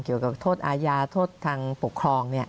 เกี่ยวกับโทษอาญาโทษทางปกครอง